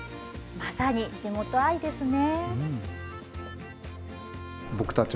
まさに地元愛ですね。